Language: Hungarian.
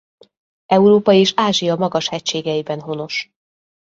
Európa és Ázsia magashegységeiben honos.